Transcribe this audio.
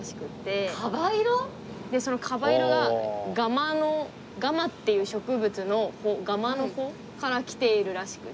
そのかば色がガマのガマっていう植物の穂ガマの穂からきているらしくて。